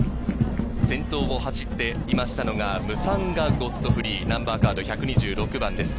先頭を走っていましたのがムサンガ・ゴッドフリー、ナンバーカード１２６番です。